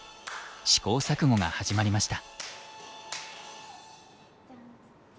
試行錯誤が始まりました。